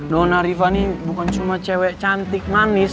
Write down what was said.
dona riva ini bukan cuma cewek cantik manis